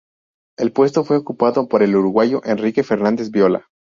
El puesto fue ocupado por el uruguayo Enrique Fernández Viola.